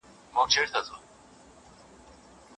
کله چي هغه وزګار و یوازې دندې پسې ګرځېده.